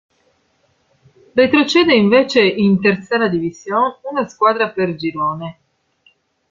Retrocede invece in Tercera División una squadra per girone.